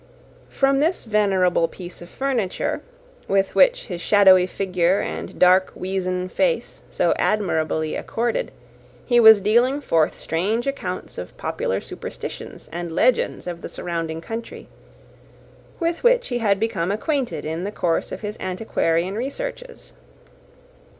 From this venerable piece of furniture, with which his shadowy figure and dark weazen face so admirably accorded, he was dealing forth strange accounts of popular superstitions and legends of the surrounding country, with which he had become acquainted in the course of his antiquarian researches.